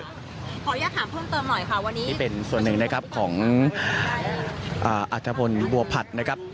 ขออนุญาตถามเพิ่มเติมหน่อยค่ะวันนี้นี่เป็นส่วนหนึ่งนะครับของอัธพลบัวผัดนะครับ